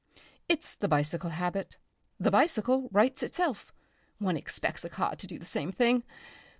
It's the bicycle habit; the bicycle rights itself. One expects a car to do the same thing.